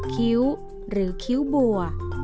คิ้วหรือคิ้วบัว